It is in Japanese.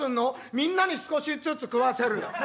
「みんなに少しっつつ食わせるよ」。